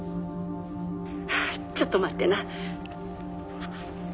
ちょっと待ってな。